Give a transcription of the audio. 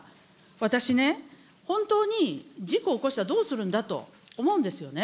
私ね、本当に事故起こしたらどうするんだと思うんですよね。